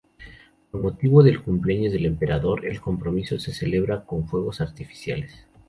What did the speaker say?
Con motivo del cumpleaños del emperador, el compromiso se celebra con fuegos artificiales.